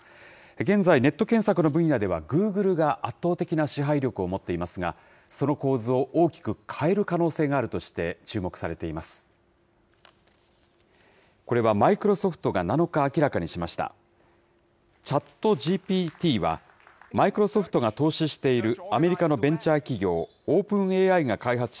現在、ネット検索の分野ではグーグルが圧倒的な支配力を持っていますが、その構図を大きく変える可能性があるとして、注目されています。